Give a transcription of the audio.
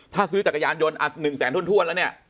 ถ้าซื้อจักรยานยนต์อ่ะหนึ่งแสนท่วนท่วนแล้วเนี้ย